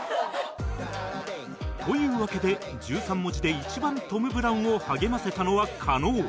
というわけで１３文字で一番トム・ブラウンを励ませたのは加納